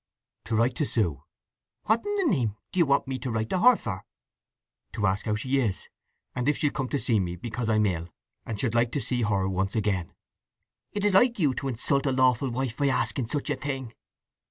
"To write to Sue." "What in the name—do you want me to write to her for?" "To ask how she is, and if she'll come to see me, because I'm ill, and should like to see her—once again." "It is like you to insult a lawful wife by asking such a thing!"